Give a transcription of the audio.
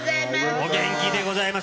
お元気でございます。